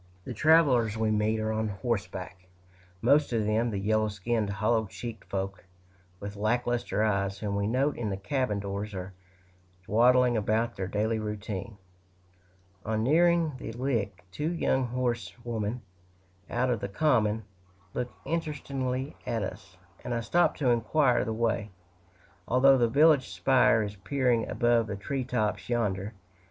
The travelers we meet are on horseback most of them the yellow skinned, hollow cheeked folk, with lack luster eyes, whom we note in the cabin doors, or dawdling about their daily routine. On nearing the Lick, two young horsewomen, out of the common, look interestedly at us, and I stop to inquire the way, although the village spire is peering above the tree tops yonder.